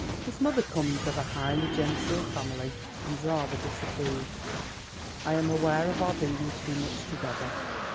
His mother comes of a highly genteel family, and rather disapproves, I am aware, of our being too much together.